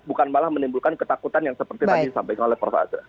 bukan malah menimbulkan ketakutan yang seperti tadi disampaikan oleh prof azhar